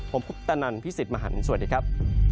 ผมพุทธนันต์พิสิทธิ์มหันต์สวัสดีครับ